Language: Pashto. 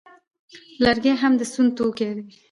لرګي هم د سون توکي دي